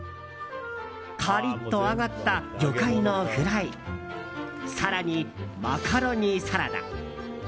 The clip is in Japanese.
カリッと揚がった魚介のフライ更にマカロニサラダ。